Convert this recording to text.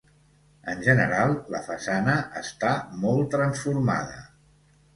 En general la façana està molt transformada.